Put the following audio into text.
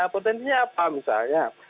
potensinya apa misalnya